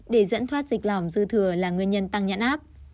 để dẫn thoát dịch lỏng dư thừa là nguyên nhân tăng nhãn áp